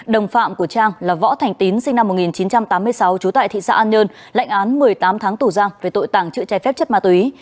đồng phạm của trang là võ thành tín sinh năm một nghìn chín trăm tám mươi sáu trú tại thị xã an nhơn lệnh án một mươi tám tháng tù giam về tội tảng trự trái phép chất ma túy